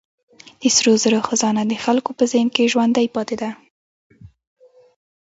د سرو زرو خزانه د خلکو په ذهن کې ژوندۍ پاتې ده.